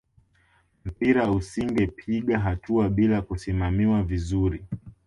mpira usingepiga hatua bila kusimamiwa vizuri